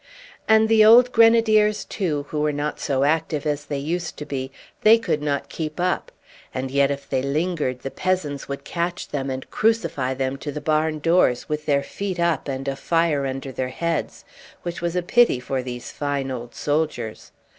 "And the old Grenadiers, too, who were not so active as they used to be, they could not keep up; and yet if they lingered the peasants would catch them and crucify them to the barn doors with their feet up and a fire under their heads, which was a pity for these fine old soldiers.